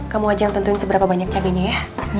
kamu aja yang tentuin seberapa banyak cabenya ya